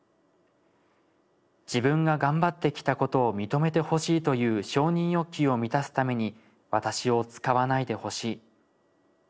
自分が頑張ってきたことを認めてほしいという承認欲求を満たすために私を使わないでほしい。